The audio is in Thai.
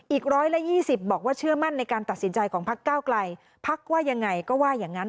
อีก๑๒๐บอกว่าเชื่อมั่นในการตัดสินใจของพักเก้าไกลพักว่ายังไงก็ว่าอย่างนั้น